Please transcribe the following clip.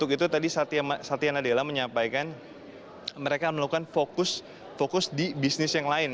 itu tadi satya nadela menyampaikan mereka melakukan fokus di bisnis yang lain